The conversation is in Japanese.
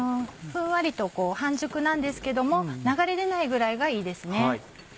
ふんわりと半熟なんですけども流れ出ないぐらいがいいですね。